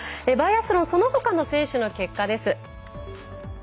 バイアスロンそのほかの選手の結果です。